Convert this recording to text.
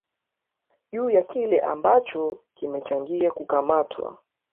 juu ya kile ambacho kimechangia kukamatwa